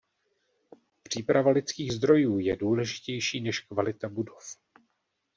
Příprava lidských zdrojů je důležitější než kvalita budov.